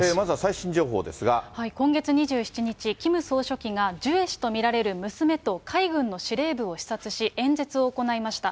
今月２７日、キム総書記がジュエ氏と見られる娘と海軍の司令部を視察し、演説を行いました。